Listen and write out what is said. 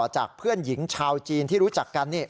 จากเพื่อนหญิงชาวจีนที่รู้จักกัน